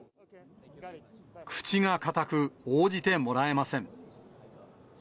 口が堅く、応じてもらえません。